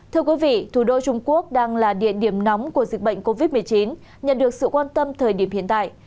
thưa quý vị thủ đô trung quốc đang là địa điểm nóng của dịch bệnh covid một mươi chín nhận được sự quan tâm thời điểm hiện tại